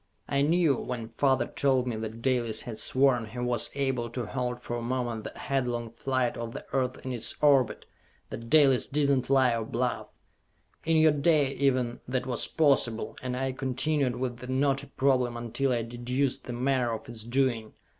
I knew, when father told me that Dalis had sworn he was able to halt for a moment the headlong flight of the Earth in its orbit, that Dalis did not lie or bluff! In your day, even, that was possible, and I continued with the knotty problem until I deduced the manner of its doing.